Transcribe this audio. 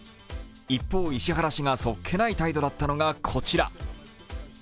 一方、石原氏がそっけない態度だったのがこちら。